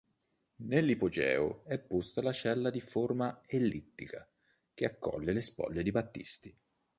Nell'ipogeo è posta la cella di forma ellittica che accoglie le spoglie di Battisti.